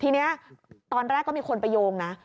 ทีนี้ตอนแรกก็มีคนไปโยงนะ